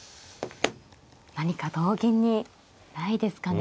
何か同銀にないですかね。